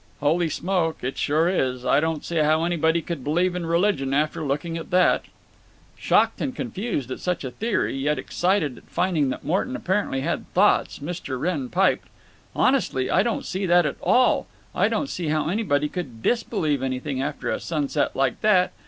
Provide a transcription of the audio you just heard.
"Holy smoke! it sure is. I don't see how anybody could believe in religion after looking at that." Shocked and confused at such a theory, yet excited at finding that Morton apparently had thoughts, Mr. Wrenn piped: "Honestly, I don't see that at all. I don't see how anybody could disbelieve anything after a sunset like that.